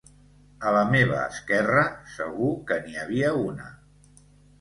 A la meva esquerra, segur que n’hi havia una.